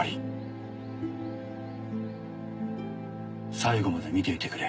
最後まで見ていてくれ。